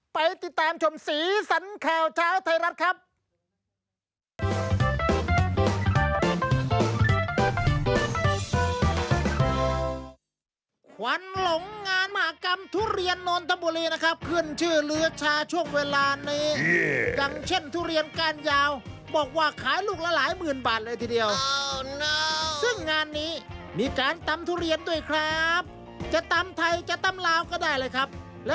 ไปติดตามชมสีสันข่าวเช้าไทยรัฐครับ